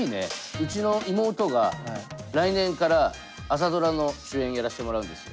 うちの妹が来年から朝ドラの主演やらせてもらうんですよ。